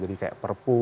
jadi kayak perpu